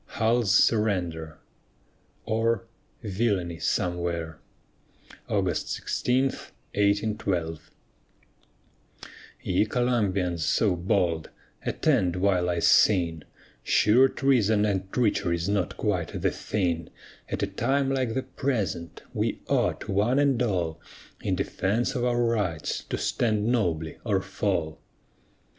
HULL'S SURRENDER OR, VILLANY SOMEWHERE [August 16, 1812] Ye Columbians so bold, attend while I sing; Sure treason and treachery's not quite the thing, At a time like the present, we ought, one and all, In defence of our rights, to stand nobly or fall.